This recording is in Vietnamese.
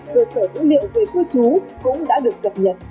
cơ sở dữ liệu về cư trú cũng đã được cập nhật